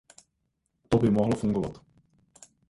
To by mohlo fungovat.